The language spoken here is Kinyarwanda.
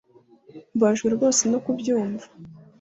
mbabajwe rwose no kubyumva